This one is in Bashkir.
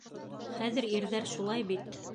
Хәҙер ирҙәр шулай бит.